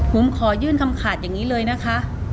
ผมขอยื่นคำขาดอย่างนี้เลยนะคะ